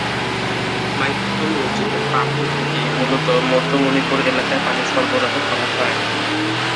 মাইকওয়ালা মসজিদের পাম্পটি থেকেই মূলত মধ্য মণিপুর এলাকায় পানি সরবরাহ করা হয়।